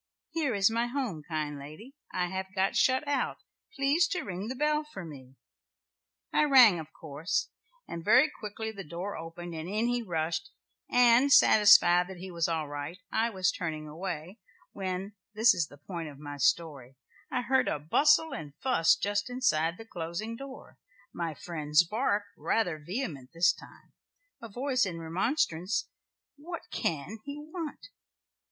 "'Here is my home, kind lady. I have got shut out, please to ring the bell for me.' "I rang of course, and very quickly the door was opened, and in he rushed, and, satisfied that he was all right, I was turning away, when this is the point of my story I heard a bustle and fuss just inside the closing door, my friend's bark, rather vehement this time, a voice in remonstrance 'what can he want?'